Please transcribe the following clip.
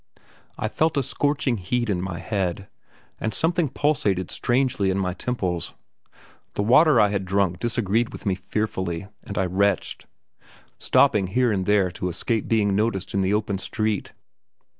I felt a scorching heat in my head, and something pulsated strangely in my temples. The water I had drunk disagreed with me fearfully, and I retched, stopping here and there to escape being noticed in the open street.